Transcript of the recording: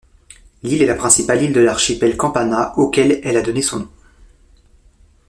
L'île est la principale île de l'archipel Campana, auquel elle a donné son nom.